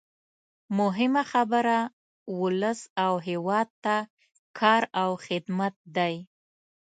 مهمه خبره ولس او هېواد ته کار او خدمت دی.